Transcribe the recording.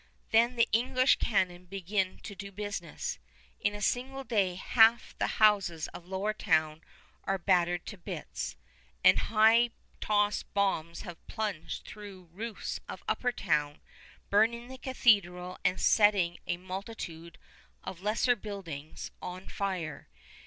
Then the English cannon begin to do business. In a single day half the houses of Lower Town are battered to bits, and high tossed bombs have plunged through roofs of Upper Town, burning the cathedral and setting a multitude of lesser buildings on fire.